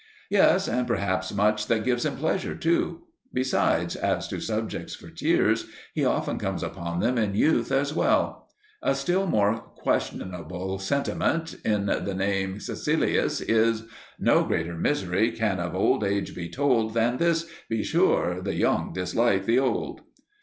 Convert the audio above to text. Yes, and perhaps much that gives him pleasure too. Besides, as to subjects for tears, he often comes upon them in youth as well. A still more questionable sentiment in the same Caecilius is: No greater misery can of age be told Than this: be sure, the young dislike the old.